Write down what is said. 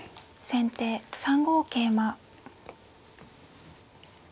先手３五桂馬。